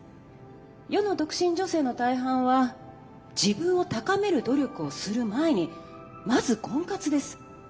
世の独身女性の大半は自分を高める努力をする前にまず婚活です。